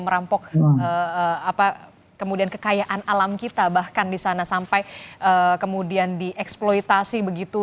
merampok kemudian kekayaan alam kita bahkan di sana sampai kemudian dieksploitasi begitu